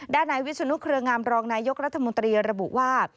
นายวิศนุเครืองามรองนายกรัฐมนตรีระบุว่า